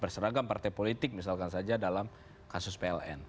berseragam partai politik misalkan saja dalam kasus pln